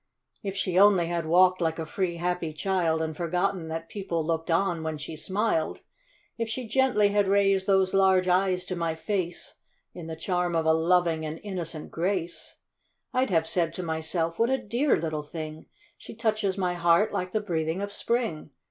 If she only had walked like a free, happy child, And forgotten that people looked on when she smiled ; If she gently had raised those large eyes to my face, In the charm of a loving and innocent grace, I'd have said to myself, " What a. dear little thing! She touches my heart like the breathing of Spring